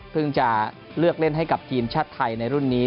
จะเลือกเล่นให้กับทีมชาติไทยในรุ่นนี้